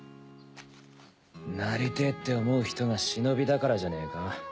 なりてぇって思う人が忍だからじゃねえか？